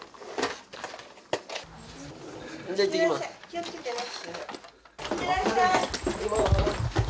気を付けてね。